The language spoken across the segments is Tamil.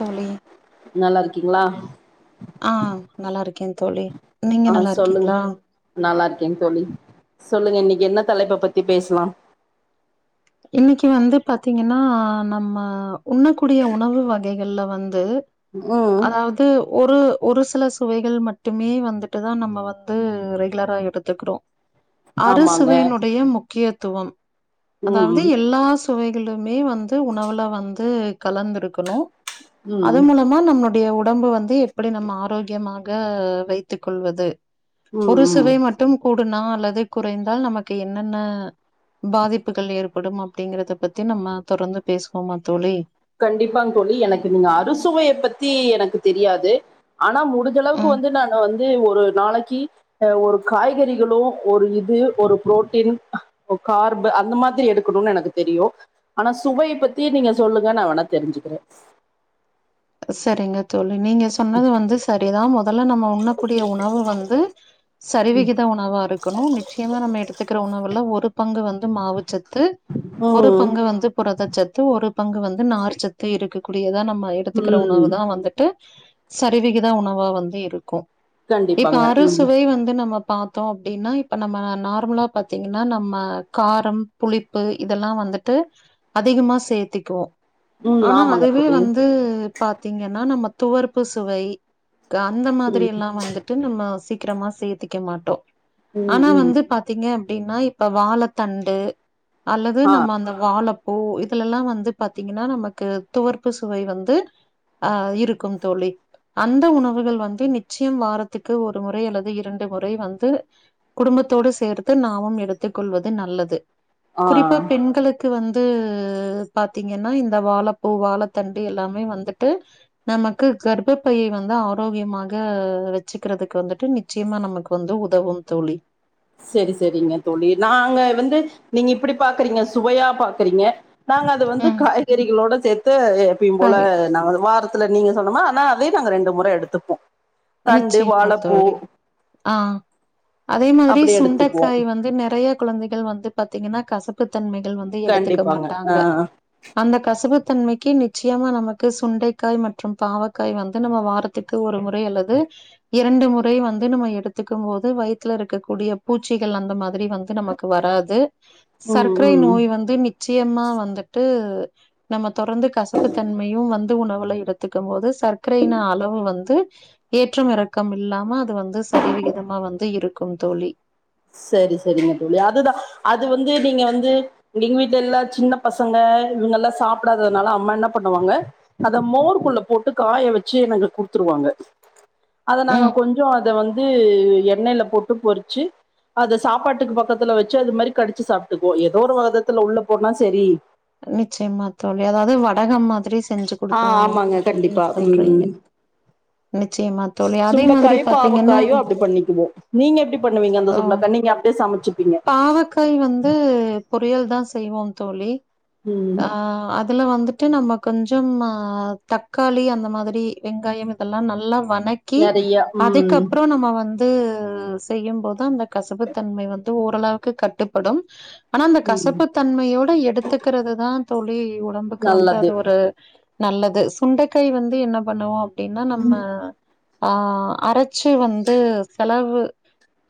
தோழி நல்லாருக்கீங்ளா ஆ நல்லாருக்கே தோழி நீங்க நல்லாருக்கீங்ளா நல்லாருக்கேங் தோழி சொல்லுங்க இன்னக்கி என்ன தலைப்ப பத்தி பேசலாம் இன்னக்கி வந்து பாத்தீங்கன்னா நம்ம உண்ணக்கூடிய உணவு வ கைகள்ல வந்து ம் அதாவது து ஒரு ஒரு சில சுவைகள் மட்டுமே வந்துட்டு தா நம்ம வந்து ரெகுலரா எடுத்துக்குறோ அறு ஆமாங்க சுவையின் உடைய முக்கியத்துவம் ம் அதாவது ம் எல்லா சுவைகளுமே வந்து உணவுல வந்து கலந்துருக்கணு ம் அது மூல மா நம்முடைய உடம்பு வந்து எப்டி நம்ம ஆரோக்கியமாக வைத்துக் கொள்வது ம் ஒரு ம் சுவை மட்டும் கூடுனா அல்லது குறைந்தால் நமக்கு என்னென்ன பாதிப் புகள் ஏற்படும் அப்டிங்கிறத பத்தி நம்ம தொடர்ந்து பேசுவோம்மா தோழி கண்டிப்பாங் தோழி எனக்கு நீங்க அறுசுவைய பத்தி எனக்கு தெரியாது ஆனா முடுஞ்சளவுக்கு ம் வந்து நானு வந்து ஒரு நாளக்கி அ ஒரு காய்கறிகளு ஒரு இது ஒரு புரோட்டீன் இப்ப கார்பு அந்த மாதிரி எடுக்கணுனு எனக்கு தெரியு ஆனா சுவைய பத்தி நீங்க சொல்லு ங்க நா வேனா தெருஞ்சுக்கிறே சரிங்க தோழி நீங்க சொன்னது வந்து சரி தா முதல்ல நம்ம உண்ணக்கூடிய உணவு வந்து சரிவிகித உணவா இருக்கணு நிச்சயமா நம்ம எடுத்துக்கிற உணவுல ஒரு பங்கு வந்து மாவு சத் து ஒரு ம் பங்கு வந்து புரதச்சத்து ஒரு பங்கு வந்து நார்ச்சத்து இருக்கக்கூடியதா நம்ம எ டுத்துக்கிற ம் உணவு தா வந்துட்டு சரிவிகித உணவா வந்து இருக்கு இப்ப கண்டிப்பாங்க ம் அறுசுவை வந்து நம்ம பா த்தோ அப்டின்னா இப்ப நம்ம நார்மலா பாத்தீங்கன்னா நம்ம காரம் புளிப்பு இதல்லா வந்துட்டு அதிகமா சேர்த்திக்குவோ ம் ஆனா ஆமாங்க அதுவே தோழி வந்து பாத்தீங்கன்னா நம்ம துவர்ப்பு சுவை க அந்த மாதிரி ம் எல்லா வந்துட் டு நம்ம சீக்கிரமா சேத்திக்க மாட்டோ ம் ஆனா ம் வந்து பாத் திங்க அப்டின்னா இப்ப வாழத்தண்டு அல்லது ஆ நம்ம அந்த வாழப்பூ இதுலல்லா வந்து பாத்தீங்கன்னா நமக்கு துவர்ப்பு சுவை வந்து ஆ இருக்குங் தோழி அந்த உணவுகள் வந்து நிச்சியம் வாரத்துக்கு ஒரு முறை அல்லது இரண்டு முறை வந்து குடும்பத்தோடு சேர்த்து நாமும் எடுத்துக் கொள்வது நல்லது ஆ குறிப்பா பெண்களுக் க்கு வந்து பாத்தீங்கன்னா இந்த வாழப்பூ வாழத்தண்டு எல்லாமே வந்துட்டு நமக்கு கர்பப்பைய வந்து ஆரோக்கியமாக வச்சிக்கிறதுக்கு வந்துட்டு நிச் சீமா நமக்கு வந்து உதவும் தோழி செரி செரிங்க தோழி நாங்க வந்து நீங்க இப்படி பாக்கறீங்க சுவையா பாக்கறீங்க நாங்க அது வந்து ம். காய்கறிகளோட சேத்து எப்பயும் போல ரைட். நா வாரத் த்துல நீங்க சொன்னம்மா ஆனா அதயு நாங்க ரெண்டு முற எடுத்துப்போ தண்டு நிச்சயமா வாழப்பூ தோழி. ஆ அதே மாதிரி அப்டி எடுத்துக்குவோ சுண்டைக்காய் வந்து நெறைய குழந்தைகள் வந்து பாத்தீங்கன்னா கசப்பு தன்மைகள் வந்து எடுத்துக்க கண்டிப்பாங்க ஆ மாட்டாங்க அந்த கசப்புத்தன்மைக்கு நிச்சயமா நமக்கு சுண்டைக்காய் மற்றும் பாவக்காய் வந்து நம்ம வாரத் துக்கு ஒரு முறை அல்லது இரண்டு முறை வந்து நம்ம எடுத்துக்கும் போது வயித்துல இருக்கக் கூடிய பூச்சிகள் அந்த மாதிரி வந்து நமக் க்கு வராது ம் சர்க்கரை ம் நோய் வந்து நிச்சியமா வந்துட்டு நம்ம தொடர்ந்து கசப்புத்தன்மையு வந்து உணவுல எடுத்துக்கும் போது சர்க்கரையின் அளவு வந்து ஏற்றம் இறக்கம் இல்லாம அது வந்து சரிவிகிதமா வந்து இருக்கும் தோழி சேரி சேரிங்க தோழி அதுதா அது வந்து நீங்க வந்து எங்க வீட்டுல எல்லா சின்னப் பசங்க இவுங்கெல்லா சாப்பிடாததுனால அம்மா என்ன பண்ணுவாங்க அத மோருக்குள்ள போட்டு காய வெச்சு எனக்கு குடுத்துருவாங்க அத நாங்க ம். கொஞ்சோ அத வந்து எண்ணெய்ல போட்டு பொறிச்சு அத சாப்பாட்டுக்கு பக்கத்துல வெச்சு அது மாரி கடிச்சு சாப்ட்டுக்குவோ எதோ ஒரு வதத்துல உள்ள போனா செரி நிச்சயமா தோழி அதாவது வடகம் மாதி ஆ ஆமாங்க கண்டிப்பா சொல்றீங்க. ம் நிச்சயமா தோழி. அதே மாதிரி சுண்டக்காயு பாத்தீங்கன்னா, பாவக்காயு அப்புடி பண்ணிக்குவோ நீங்க எப்புடி பண்ணுவீங்க அந்த சுண்டைக்கா நீங்க அப் டியே சமச்சுப்பிங்க டக்காய் வந்து பொரியல்தா செய்வோ தோழி ம் ஆ அது இதுல வந்துட்டு நம்ம கொஞ்சமா தக்காளி அந்த மாதிரி வெங்காயம் இதெல்லா நல்லா வனக் கி நெறைய ம் அதுக்கப்ரோ நம்ம வந் து செய்யும்போது அந்த கசப்புத்தன்மை வந்து ஓரளவுக்கு கட்டுப்படும் ஆனா அந்த ம் கசப்புத் தன்மையோட எடுத்துக்கறதுதா தோழி உடம்புக்கு வந்து நல்லது அது ஒரு நல்லது சுண்டைக்காய் வந்து என்ன பண்ணுவோ அப்டின்னா நம்ம ஆ அரை ச்சு வந்து செலவு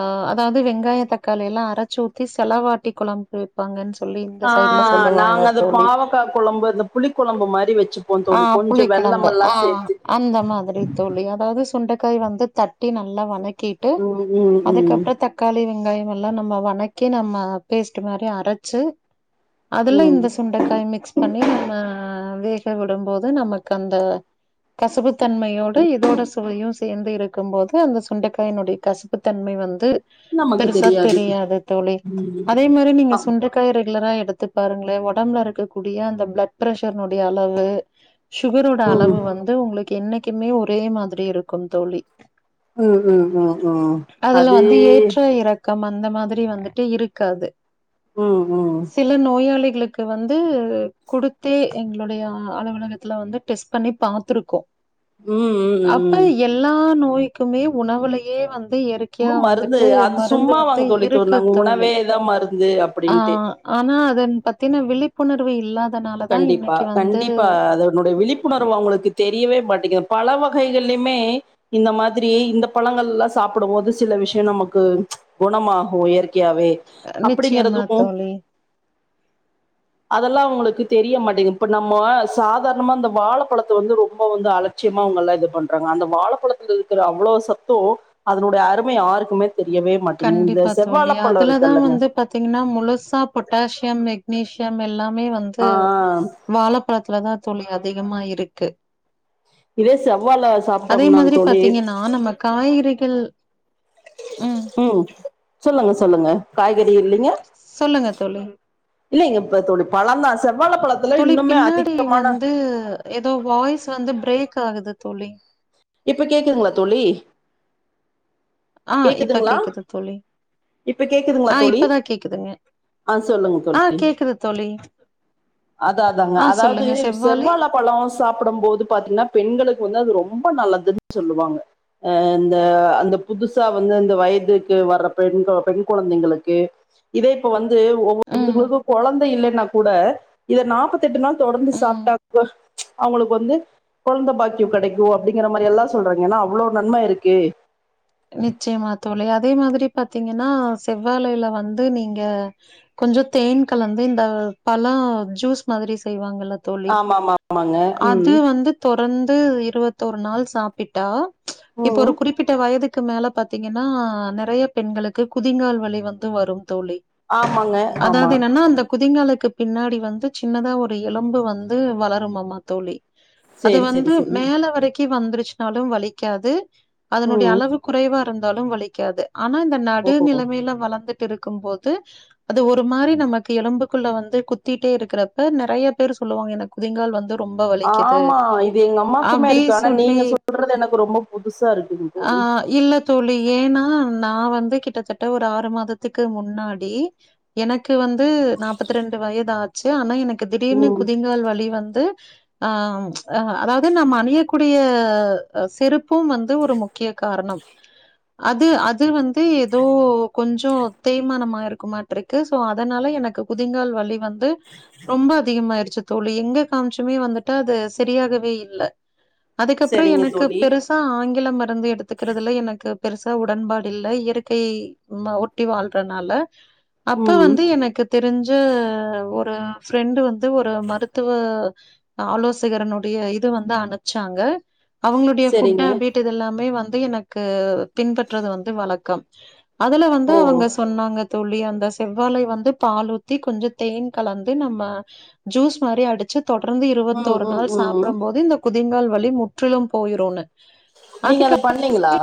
ஆ அதாவது வெங்காய தக்காளி எல்லா அரச்சூத்தி செலவாட்டி குழம்பு வெ ப்பாங்கன்னு சொல்லி இந்த ஆ சைட்ல நாங்க அத பாவக்கா கொழம்பு அதுலா புளி கொழம்பு மாரி வெச்சுப்போ ஆ தோழி கொஞ்சோ புளிக்குழம்பு வெள்ளமெல்லா ஆ சேத்து அந்த மாதிரி தோழி அதாவது சுண்டக்காய் வந்து தட்டி நல்லா வனக் கீட்டு ம் ம் ம் அதுக்கப்ரோ தக் தக்காளி வெங்காயமெல்லா நம்ம வணக்கி நம்ம பேஸ்ட் மாரி அரச்சு அதுல ம் இந்த சுண்டக்காய் மிக்ஸ் பண்ணி நம்ம வேக விடும்போது நமக்கந்த கசப்பு தன்மையோட இதோட சுவையு சே சேந்து இருக்கும் போது அந்த சுண்டக்காயினுடய கசப்பு தன்மை வந்து பெருசா தெரியாது தோழி ம் அதே மாரி நீங்க ஆ சுண்ட காய் ரெகுலரா எடுத்துப் பாருங்ளே ஒடம்புல இருக்கக்கூடிய அந்த பிளட் பிர்ஷர்னுடைய அளவு சுகரோட ம் அளவு வந்து உங்களுக்கு என்னைக்குமே ஒரே மாதிரி இருக்கு தோழி ம் ம் ம் ம் அது கம் அந்த மாதிரி வந்துட்டு இருக்காது ம் ம் சில நோயாளிகளுக்கு வந்து குடுத்தே எங்களுடைய அலுவலகத்துல வந்து டெஸ்ட் பண்ணி பாத்ருக்கோ ம் ம் அப்ப ம் எல்லா நோய்க்குமே உணவுலயே வந்து இருக்கு ம் மருந்து அது சும்மா வாங்கத் தோழி துர் இருக்கு தோழி உணவேதாம் மருந்து அப் ஆ ஆனா அதன் பத்தின விழிப்புணர்வு இல்லாதனாலதா இன்னைக்கு வந்து ன்னுடைய விழிப்புணர்வு அவுங்களுக்குத் தெரியவே மாட்டிக்க பல வகைகள்லியுமே இந்த மாதிரி இந்தப் பழங்கள்லா சாப்ட போது சில விஷ்யோ நமக்கு குணமாகு இயற்கையாவே நிச்சயமா அப்டிங்கறதுக்கு தோழி அதெல்லா உங்குளுக்கு தெரிய மாட்டேங்க்கு இப்ப நம்ம சாதாரணமா இந்த வாழப்பழத்த வந்து ரொம்ப வந்து அலட்சியமா அவுங்கல்லா இது பண் ட்றங்க அந்த வாழப்பழத்தல இருக்கிற அவ்ளோ சத்து அதனுடைய அருமை யாருக்குமேத் தெரியவே மாட்டீங்கு இந்த செவ்வாழப் பழ இருக்குல்லங்க திங்னா முழுசா பொட்டாசியம் மெக்னீசியம் எல்லாமே வந்து ஆஹ் வாழப்பழத்லதா தோழி அதிகமா இருக்கு இதே செவ்வாழை அதே சாப்பிட்டோம்னாங்க மாதிரி தோழி பாத்தீங்கனா நம்ம காய்கறிகள் ம் சொல்லுங்க சொல்லுங்க காய்கறி இல்லிங்க சொல்லுங்க தோழி இல்லைங்க இப்ப தோழி பழந்தா செவ்வாழப் பழத் தோழி பின்னாடி வந்து எதோ வாய்ஸ் வந்து பிரேக் ஆகுது தோழி இப்ப கேக்குதுங்ளா தோழி ஆ இப்ப கேக்குதுங்களா கேக்குது தோழி இப்ப கேக்குதுங்களா ஆ தோழி இப்பதா கேக்குதுங்க ஆஹ் சொல்லுங்க ஆ கேக்குது தோழி அதா அதாங்க ஆ அதாவது சொல்லுங்க செவ்வாழை செவ்வாழப் பழோ சாப்டம்போது பாத்தீங்னா பெண்களுக்கு வந்து அது ரொம்ப நல்லதுன் சொல்லுவாங்க அ இந்த அந்தப் புதுசா வந்த இந்த வயதுக்கு வர்றப் பெண் கொ பெண் கொழந்தைங்களுக்கு இதே இப்ப வந்து ம், ஒவ்வொருத்தங்களுக்கு கொழந்த இல்லைனா கூட இத நாப்பத்தெட்டு நாள் தொடர்ந்து ம். சாப்டாக்க அவுங்களுக்கு வந்து கொழந்த பாக்யோ கெடைக்கு அப்டிங்கிற மாரி எல்லா சொல்றாங்க எனா அவ்ளோ நன்ம இருக்கு நிச்சயமாத் தோழி அதே மாதிரி பாத்தீங்கனா செவ்வாழைல வந்து நீங்க கொஞ்சோ தேன் கலந்து இந்த பழோ ஜூஸ் மாதிரி செய்வாங்கல்லத் தோழி ஆமா ஆமா ஆமாங்க அது ம் வந்துப் தொடர்ந்து இருவத்தோரு நாள் சாப்பிட்டா இப்போ ஒரு ம் குறிப்பிட்ட வயதுக் க்கு மேல பாத்தீங்கன்னா நெறையப் பெண்களுக்கு குதிங்கால் வலி வந்து வரும் தோழி ஆமாங்க ஆமா அதாவது என்னன்னா அந்த குதிங்காலுக்குப் பின்னாடி வந்து சின்னதா ஒரு எலும்பு வந்து வளருமாமா தோழி அது சரி வந்து சரி சரி மேல வரைக்கு வந்துருச்சுன்னாலு வலிக்காது அதனுடைய ம் அளவுக் குறைவா இருந்தாலு வலிக்காது ஆனா இந்த நடு ஓ நிலமைல வளந்துட்டு இருக்கும்போது அது ஒரு மாரி நமக்கு எலும்புக்குள்ளே வந்து குத்திட்டே இருக்கிறப்ப நெறையப் பேரு சொல்லுவாங்க எனக் குதிங்கால் வந்து ரொம்ப வலிக்குது." ஆமா இது எங்க அம்மாக்குமே அப்படி இருக்கு ஆனா நீங்க சொல்லி சொல்றது எனக்கு ரொம்ப புதுசா இருக்குங் தோழி இல்லத் தோழி ஏனா நா வந்து கிட்டத்தட்ட ஒரு ஆறு மாதத்துக்கு முன்னாடி எனக்கு வந்து நாப்பத்ரெண்டு வயதாக் ச்சு ஆனா எனக்கு திடீர்னு ம் குதிங்கால் வலி வந்து ஆம் அ அதாவது நம் அணியக்கூடிய அ செருப்பும் வந்து ஒரு முக்கிய காரணம் அது அது வந்து ஏதோ கொஞ்சோ தேய்மானமா இருக்குமாட் யிட்டுருக்கு சோ அதனால எனக்கு குதிங்கால் வலி வந்து ரொம்ப அதிகமாயிருச்சு த் தோழி எங்க காமிச்சுமே வந்துட்டு அது சரியாகவே இல்லே அதுக்கப்பறோ சரிங்க எனக்கு தோழி பெருசு ஆ ஆங்கில மருந்து எடுத்துக்கிட் ங்கிறதுல எனக்கு பெருசா உடன்பாடு இல்லை இயற்கைய ஒட்டி வாழ்றனால அப்ப ம் வந்து எனக்கு தெரிஞ்ச ஒரு ஃப்ரெண்டு் வந்து ஒரு மருத்துவ ஆலோசகரினுடைய இது வந்து அனுப்ச்சாங்க அவங்களுடைய ஃபுட் சரிங்க ஹாபீட் இது எல்லாமே வந்து எனக்கு பின்பற்றுறது வந்து வழக்கம் அதுல வந்து ஓ அவங்க ஸ் சொன்னாங்க தோழி அந்த செவ்வாழை வந்து பால் ஊத்தி கொஞ்சோ தேன் கலந்து நம்ம ஜூஸ் மாரி அடிச்சு தொடர்ந்து ம் இருவத்தோரு ம் நாள் ம் சாப்டும்போது இந்த குதிங்கால் வலி முற்றிலு போயிருன்னு நீங்க அதப் பண்ணீங்களா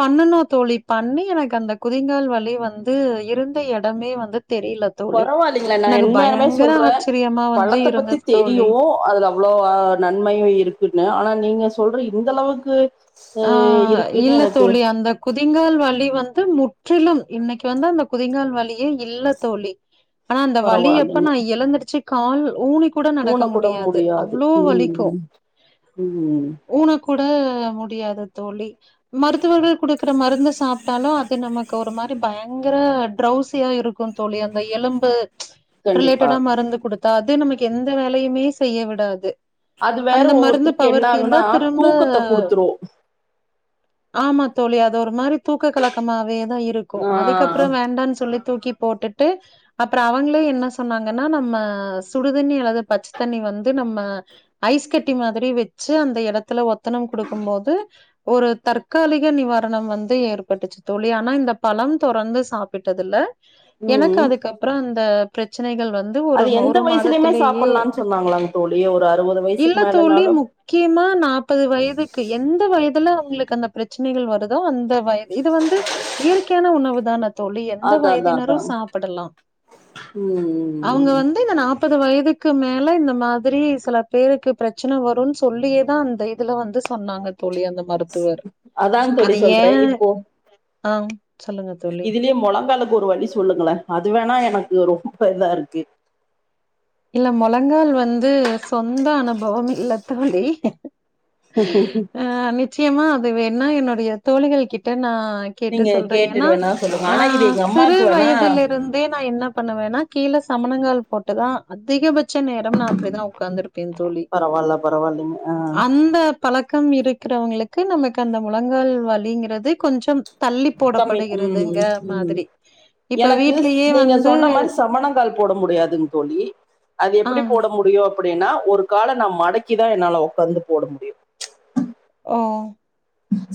பண்ணுனோ தோழி பண்ணி எனக்கு அந்த குதிங்கால் வலி வந்து இருந்த எடமே வந்து தெரியல தோழி. பரவாயில்லீங்களே நா எனக்கு என்மனமே பயங்கர சொல்றே ஆச்சரியமா வந்து பழத்தப் பத்தி இருந்தது தோழி. தெரியு அதுல அவ்வளோ ஆ நன்மையு இருக்குன்னு ஆனா நீங்க சொல்ற இந்தளவுக்கு ஆ இல்ல தோழி அந்த குதிங்கால் வலி வந்து முற்றிலும் இன்னைக்கு வந்து அந்த குதிங்கால் வலியே இல்ல தோழி ஆனா அந்த வலியப்ப பரவாயில்லைங்க நா எழுந்திருச்சு கால் ஊனி கூட நடக்க ஊனக்கூட முடியாது அவ்வளோ வலிக்கூ ம் ம் ஊன கூட முடியாது தோழி மருத்துவர்கள் குடுக்குற மருந்து சாப்ட்டாலு அது நமக்கு ஒரு மாரி பய ங்கர ட்ரௌசியா இருக்குந்தோழி அந்த எலும்பு கண்டிப்பா ரிலேட்டடா மருந்து குடுத் தாது நமக்கு எந்த வேலையுமே செய்ய விடாது அது வேற அந்த மருந்து ஒவ்வொருத்தருக்கு என்ன பவர் தீர்ந்தா ஆகுன்னா திரும்ப தூக்கத்த குடுத்துரு ஆமா தோழி அது ஒரு மாரி தூக்க கலக்கமாவேதா இருக்கு ஆ அதுக்கப்பறோ வேண்டான்னு சொல்லி தூக்கி போட்டுட்டு அப்பறோ அவங்களே என்ன சொன்னாங்கன்னா நம்ம சுடுதண்ணி அல்லது பச்ச தண்ணி வந்து நம்ம ஐஸ் கட்டி மாதிரி வச்சு அந்த எடத்துல ஒத்தனம் குடுக்கும் போது ஒரு தற்காலிக நிவாரணம் வந்து ஏற்பட்டுச்சு தோழி ஆனா இந்த பழம் தொடர்ந்து சாப்பிட்டதுல எனக்கு ம் அதுக்கப்பறோ இந்த பிரச்சனைகள் வந் து ஒரு அது எந்த ஒரு வயசுலயுமே மாதத்திலேயே சாப்புட்லான்னு சொன்னாங்களாங்க தோழி ஒரு அறுவது வயசுக்கு இல்ல தோழி மேலனாலு முக் கியமா நாற்பது வயதுக்கு எந்த வயதுல அவங்களுக்கு அந்த பிரச்சனைகள் வருதோ அந் த வயது இது வந்து இயற்கையான உணவு தான தோழி எந்த அதா அதா வயதினரு அதா சாப்பிடலா அவங்க ம் வந்து இந்த நா பது வயதுக்கு மேல இந்த மாதிரி சில பேருக்கு பிரச்சனை வரும்னு சொல்லியேதா அந்த இதுல வந்து சொன்னாங்க தோழி அந்த மருத்துவர் அதாங் தோழி அது ஏ சொல்றே இப்போ ஆ சொல்லுங்க தோழி இதுலயே மொளங்காலுக்கு ஒரு வழி சொல்லுங்களே அது வேணா எனக்கு ரொம்ப இதாருக்கு இல்ல மொழங்கால் வந்து சொந்த அனுபவம் இல்லத்தோழி அ நிச்சயமா அது வேணா என்னுடைய தோழிகள் கிட்ட நா கேட்டு நீங்க சொல்றே ஏன்னா கேட்டுட்டு வேணா சொல்லுங்க ஆ ஆனா இது எங்க சிறு அம்மாக்கு வேணா வயதுலருந்தே நா என்ன பண்ணுவேன்னா கீழ சமணங்கால் போட்டுதா அதிகபச் ச்ச நேரம் நா அப்டிதா உக்காந்துருப்பே தோழி பரவால்ல பரவால்லைங்க ஆ அந்த பழக்கம் இருக்கிறவங்களுக்கு நமக்கு அந்த முழங்கால் வழிங்கிறது கொஞ்சம் தள்ளி சமி ம் போடப்படுகிறதுங்க ம் மாதிரி இப்ப எனக்கு ஸ் வீட்லயே நீங்க வந்து சொன்ன மாரி சமணங்கால் போட முடியாதுங் தோழி அது ஆ எப்டி போட முடியு அப்டின்னா ஒரு கால நா மடக்கி தா என்னால உக்காந்து போட முடியு அ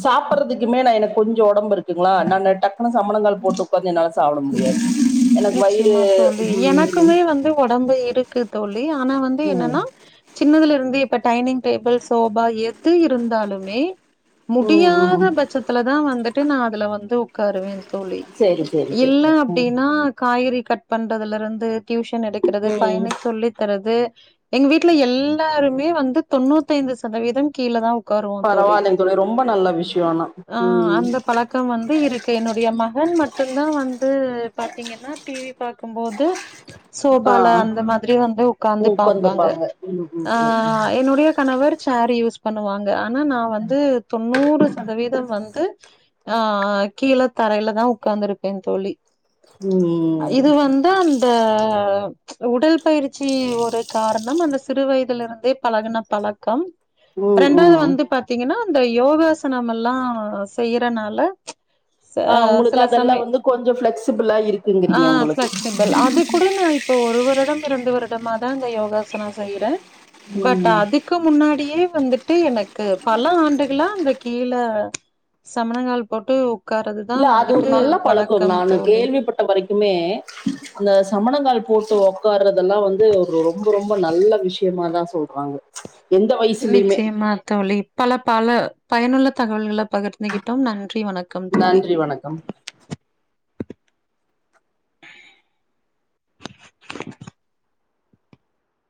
சாப்பட்றுதுக்குமே நா எனக் கொஞ்சோ ஒடம்பு இருக்குங்களா நானு டக்குன்னு சம்மணங்கால் போட்டு உக்காந்து என்னால சாப்ட முடியாது எனக்கு வயிறு நிச்சயமா தோழி ம் எனக்குமே வந்து ஒடம்பு இருக்கு தோழி ஆனா வந்து ம் என்னன்னா சின்னதுல இருந்து இப்ப டைனிங் டேபிள் சோபா எது இருந்தாலுமே ம் ம் முடியாத பட்சத்துலதா வந்துட்டு நா அதுல வந்து உக்காருவே தோழி சேரி சேரி இல்ல சேரிங்க ம் அப்டின்னா காய்கறி கட் பண்றதுல இருந்து டியூஷன் எடுக்கறது ம் பையனுக்கு சொல்லி தரது எங்க வீட்ல எல்லாருமே வந்து தொண்ணூத்தி ஐந்து சதவீதம் கீழ தா பரவால்லைங் தோழி ரொம்ப நல்ல விஷயம் ஆனா ம் பக்கோ வந்து இருக்கு என்னுடைய மகன் மட்டுதா வந்து ப த்தீங்கன்னா டிவி பாக்கும் போது ஆ சோபால அந்த மாதிரி வந்து உக்காந்து பாப்பாங்க உட்காந்துப்பாங்க ம் ஆ ம் என்னுடைய கணவர் சேரு யூஸ் பண்ணுவாங்க ஆனா நான் வந்து தொண்ணூறு சதவீதம் வந்து ஆஹ் கீழ தரையில தா உக்காந்துருப்ப தோழி ம்ம் இது வந்து அந்த உடல் பயிற்சி ஒரு காரணம் அந்த சிறு வயதுல இருந்தே பழகுன பழக்கம் ம் ரெண்டாவது ம் வந்து பாத்தீங்கன்னா இந்த யோகாசனமெல்லா செய்யறனால ஆ உங்களுக்கு சில அதெல்லா சமய வந்து கொஞ்சோ ஃபெளெக்சிபிளா ஆ இருக்குங்கறீங்க உங்களுக் ஃபிளெக்சிபிள் அது கூட நா இப்ப ஒரு வருடம் இரண்டு வருடமா தா இந்த யோகாசனம் செய்ற பட் ம் அதுக் கு முன்னாடியே வந்துட்டு எனக்கு பல ஆண்டுகளா அந்த கீழ சம்மணங்கால் போட்டு உக்காரதுதா இல்ல வந்துட்டு வழக்கம் தோழி இப்ப வரைக்குமே அந்த சம்மணங்கால் போட்டு ஒக்காறதெல்லா வந்து ஒரு ரொம் ரொம்ப ரொம்ப நல்ல விஷயமா தா சொல்றாங்க எந்த வயசுலயுமே நிச்சயமா தோழி பல பல பயனுள்ள தகவல்கள பகிர்ந்துகிட்டோம் நன்றி வணக் நன்றி வணக்கம் [unintelligible] [inaudible]